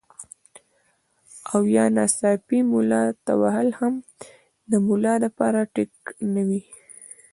او يا ناڅاپي ملا تاوهل هم د ملا د پاره ټيک نۀ وي